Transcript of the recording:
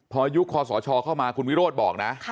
พอยุคคอสชเข้ามาคุณวิโรธบอกนะ